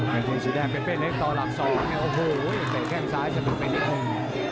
เป็นทีมสีแดงเป็นเป้นเล่นต่อหลักสองโอ้โหเกลียดแก้งซ้ายจะถูกไปนิดหนึ่ง